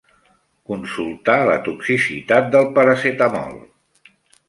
Consultar la toxicitat del paracetamol.